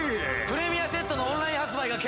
プレミアセットのオンライン発売が決定！